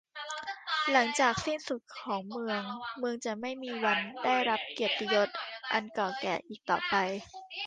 หลังจากการสิ้นสุดของเมือง เมืองจะไม่มีวันได้รับเกียรติยศอันเก่าแก่อีกต่อไป